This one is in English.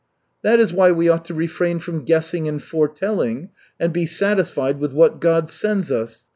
"That is why we ought to refrain from guessing and foretelling and be satisfied with what God sends us.